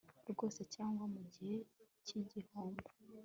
rwose cyangwa mu gihe cy igihombo